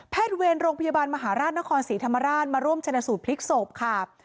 เวรโรงพยาบาลมหาราชนครศรีธรรมราชมาร่วมชนะสูตรพลิกศพค่ะ